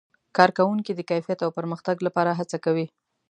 کارکوونکي د کیفیت او پرمختګ لپاره هڅه کوي.